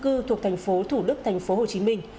trung cư thuộc thành phố thủ đức thành phố hồ chí minh